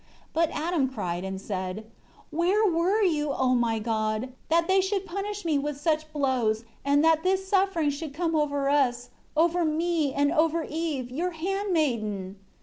5 But Adam cried and said, "Where were you, O my God, that they should punish me with such blows, and that this suffering should come over us; over me and over Eve, Your handmaiden?"